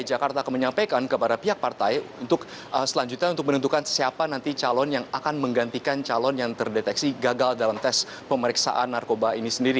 dki jakarta akan menyampaikan kepada pihak partai untuk selanjutnya untuk menentukan siapa nanti calon yang akan menggantikan calon yang terdeteksi gagal dalam tes pemeriksaan narkoba ini sendiri